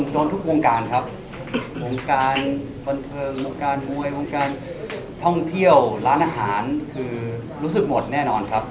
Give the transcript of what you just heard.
โดนทุกวงการครับวงการบันเทิงวงการมวยวงการท่องเที่ยวร้านอาหารคือรู้สึกหมดแน่นอนครับ